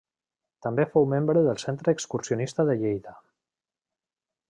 També fou membre del Centre Excursionista de Lleida.